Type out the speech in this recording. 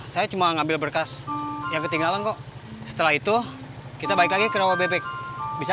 saya cuma ngambil berkas yang ketinggalan kok setelah itu kita balik lagi kirawebek bisa